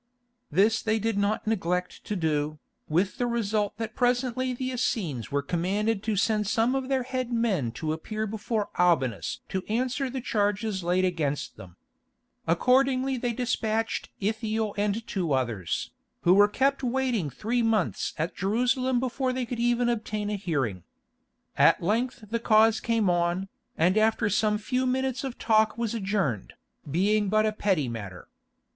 This they did not neglect to do, with the result that presently the Essenes were commanded to send some of their head men to appear before Albinus to answer the charges laid against them. Accordingly they dispatched Ithiel and two others, who were kept waiting three months at Jerusalem before they could even obtain a hearing. At length the cause came on, and after some few minutes of talk was adjourned, being but a petty matter.